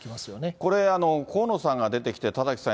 これ、河野さんが出てきて、田崎さん